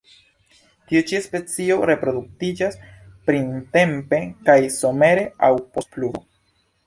Tiu ĉi specio reproduktiĝas printempe kaj somere aŭ post pluvo.